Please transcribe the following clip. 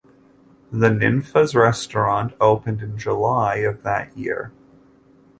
The Ninfa's restaurant opened in July of that year.